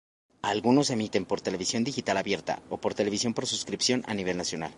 Algunos emiten por televisión digital abierta o por televisión por suscripción a nivel nacional.